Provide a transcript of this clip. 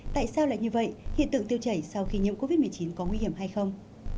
tại sao lại như vậy hiện tượng tiêu chảy sau khi nhiễm covid một mươi chín có nguy hiểm hay không